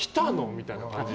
みたいな感じに。